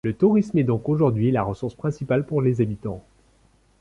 Le tourisme est donc aujourd'hui la ressource principale pour les habitants.